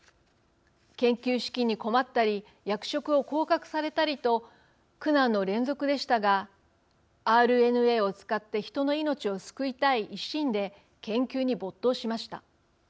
研究資金に困ったり役職を降格されたりと苦難の連続でしたがＲＮＡを使って人の命を救いたい一心で研究に没頭しました。